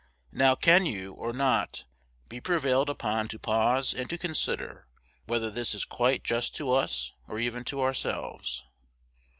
Now can you, or not, be prevailed upon to pause and to consider whether this is quite just to us, or even to yourselves?